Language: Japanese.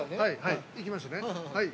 行きますね？